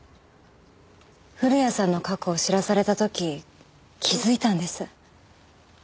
古谷さんの過去を知らされた時気付いたんです。